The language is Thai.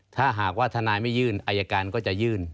ถ้าหากว่าทนายไม่ยื่นอายการก็จะยื่น